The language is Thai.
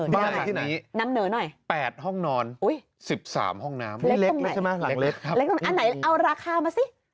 บ้านหลังนี้๘ห้องนอน๑๓ห้องน้ำเล็กตรงไหนเอาราคามาสิ